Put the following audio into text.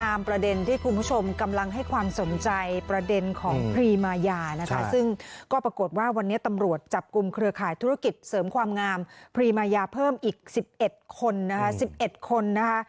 ประเด็นที่คุณผู้ชมกำลังให้ความสนใจประเด็นของพรีมายานะคะซึ่งก็ปรากฏว่าวันนี้ตำรวจจับกลุ่มเครือข่ายธุรกิจเสริมความงามพรีมายาเพิ่มอีก๑๑คนนะคะ๑๑คนนะคะ